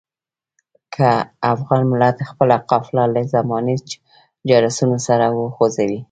که افغان ملت خپله قافله له زماني جرسونو سره وخوځوي.